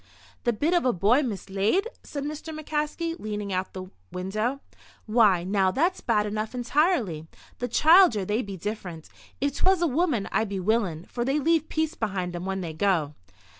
"The bit of a boy mislaid?" said Mr. McCaskey, leaning out of the window. "Why, now, that's bad enough, entirely. The childer, they be different. If 'twas a woman I'd be willin', for they leave peace behind 'em when they go."